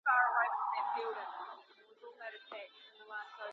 ابليس هغه ځان ته نژدې کوي.